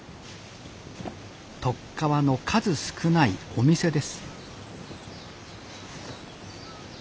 とっかわの数少ないお店です